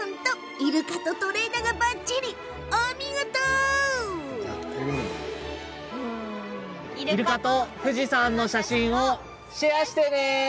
イルカと富士山の写真をシェアしてね！